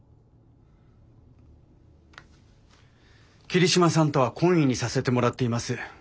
桐島さんとは懇意にさせてもらっています。